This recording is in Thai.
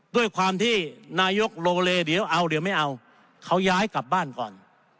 ด้วยความที่นายกโลเลเดี๋ยวเอาเดี๋ยวไม่เอาเขาย้ายกลับบ้านก่อน